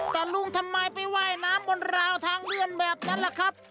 แต่ลุงทำไมไปว่ายน้ำบนราวทางเลื่อนแบบนั้นล่ะครับ